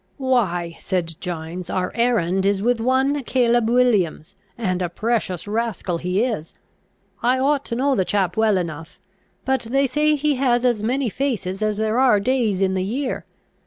"Why," said Gines, "our errand is with one Caleb Williams, and a precious rascal he is! I ought to know the chap well enough; but they say he has as many faces as there are days in the year.